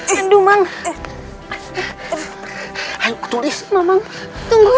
aduh aduh aduh